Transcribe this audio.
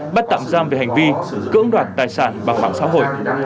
bắt tạm giam về hành vi cưỡng đoạt tài sản bằng mạng xã hội